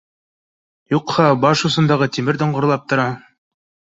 Юҡһа, баш осондағы тимер доңғорлап тора